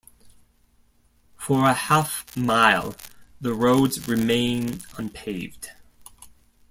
For a half mile, the roads remains unpaved.